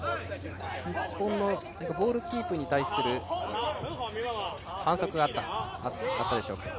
日本のボールキープに対する反則があったでしょうか。